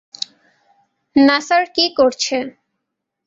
নাসার কী করছে?